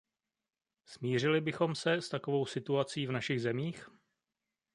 Smířili bychom se s takovou situací v našich zemích?